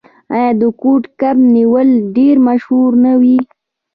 آیا د کوډ کب نیول ډیر مشهور نه و؟